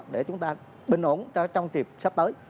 để chúng ta bình ổn trong triệp sắp tới